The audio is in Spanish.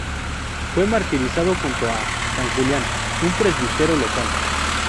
Fue martirizado junto a san Julián, un presbítero local.